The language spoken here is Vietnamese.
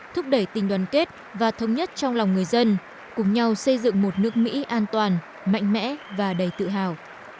thúc đẩy tình đoàn kết và thống nhất trong lòng người dân cùng nhau xây dựng một nước mỹ an toàn mạnh mẽ và đầy tự hào